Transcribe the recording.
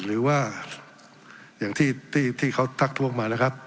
หรือว่าอย่างที่เขาทักทวงมานะครับ